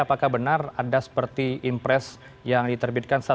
apakah benar ada seperti impres yang diterbitkan